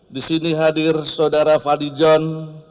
disini hadir saudara fadijon